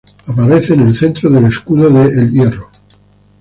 Aparece en el centro del escudo de El Hierro.